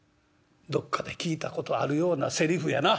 「どっかで聞いたことあるようなセリフやな。